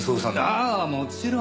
ああもちろん！